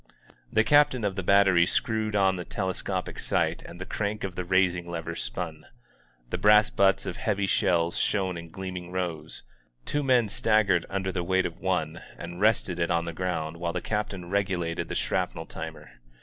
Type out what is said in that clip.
The captain of the battery screwed on the telescopic sight and the crank of the raising^lever spun. The brass butts of heavy shells shone in gleaming rows; two men staggered under the weight of one, and rested it on the ground while the captain regulated the shrapnel timer.